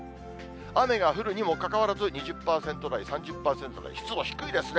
雨が降るにもかかわらず、２０％台、３０％台、湿度低いですね。